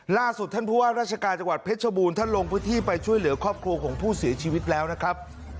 ล่าสุดท่านผู้ว่าราชการจังหวัดเพชรบูรณ์ท่านลงพื้นที่ไปช่วยเหลือครอบครัวของผู้เสียชีวิตแล้วนะครับ